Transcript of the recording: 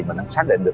mình đã xác định được